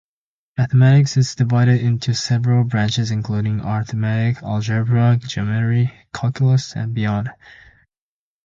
Mathematics is divided into several branches, including arithmetic, algebra, geometry, calculus, and beyond.